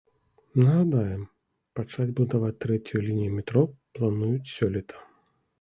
Нагадаем, пачаць будаваць трэцюю лінію метро плануюць сёлета.